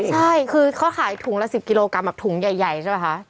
ใช่คือเขาขายถุงละ๑๐กิโลกรัมแบบถุงใหญ่ใช่ป่ะคะ